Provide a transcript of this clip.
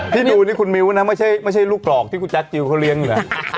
ที่ดูนี่คุณมิ้วนะไม่ใช่ลูกกรอกที่คุณแจ๊คจิลเขาเลี้ยงอยู่นะ